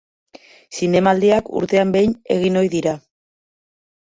Zinemaldiak urtean behin egin ohi dira.